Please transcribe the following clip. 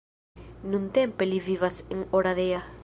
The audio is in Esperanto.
Nuntempe li vivas en Oradea.